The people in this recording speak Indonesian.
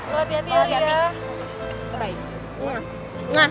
yaudah kita cabut duluan ya